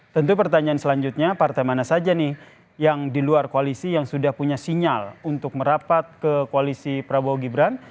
tentu pertanyaan selanjutnya partai mana saja nih yang di luar koalisi yang sudah punya sinyal untuk merapat ke koalisi prabowo gibran